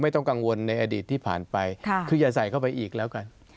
ต้องกังวลในอดีตที่ผ่านไปคืออย่าใส่เข้าไปอีกแล้วกัน